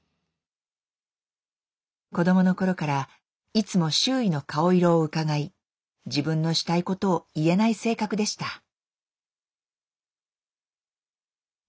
子供の頃からいつも周囲の顔色をうかがい自分のしたいことを言えない性格でした。